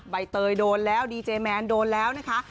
ใบเตยโดนแล้วดีเจแมนโดนแล้วนะคะ